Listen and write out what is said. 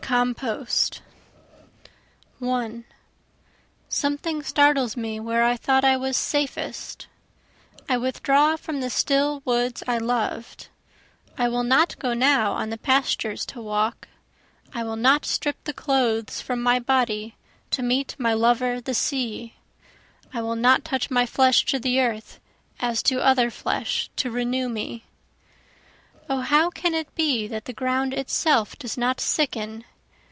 This Compost 1 Something startles me where I thought I was safest, I withdraw from the still woods I loved, I will not go now on the pastures to walk, I will not strip the clothes from my body to meet my lover the sea, I will not touch my flesh to the earth as to other flesh to renew me. O how can it be that the ground itself does not sicken?